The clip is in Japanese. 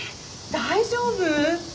大丈夫？